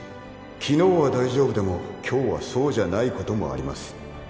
昨日は大丈夫でも今日はそうじゃないこともあります。